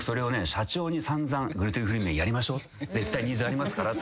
社長に散々グルテンフリー麺やりましょう絶対ニーズありますから。